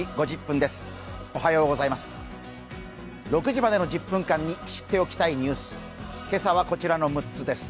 ６時までの１０分間に知っておきたいニュース、今朝はこちらの６つです。